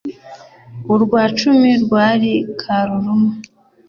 urwa cumi rwari karuruma